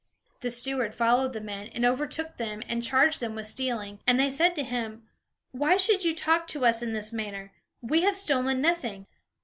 The steward followed the men, and overtook them, and charged them with stealing. And they said to him: "Why should you talk to us in this manner? We have stolen nothing.